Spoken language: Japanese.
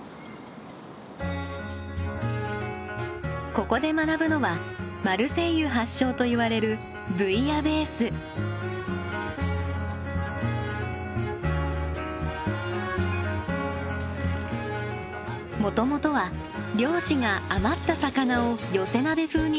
ここで学ぶのはマルセイユ発祥といわれるもともとは漁師が余った魚を寄せ鍋風にしていた料理が始まり。